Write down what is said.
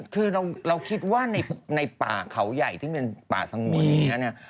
คือเราคิดว่าในป่าเขาใหญ่ที่เป็นป่าสังหวัยนี้